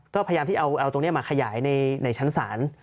ก็พยายามที่เอาตรงนี้มาขยายในชั้นศาล